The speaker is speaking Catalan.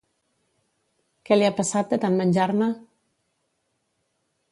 Què li ha passat de tant menjar-ne?